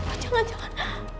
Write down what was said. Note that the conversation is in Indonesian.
oh jangan jangan